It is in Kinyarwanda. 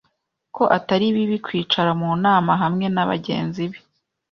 ko atari bibi Kwicara mu nama hamwe nabagenzi be